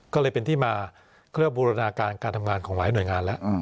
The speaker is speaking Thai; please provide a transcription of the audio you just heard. ก็เลยเป็นที่มาเพื่อบูรณาการการทำงานของหลายหน่วยงานแล้ว